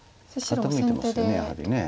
傾いてますよねやはり。